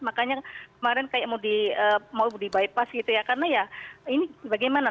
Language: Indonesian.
makanya kemarin kayak mau di bypass gitu ya karena ya ini bagaimana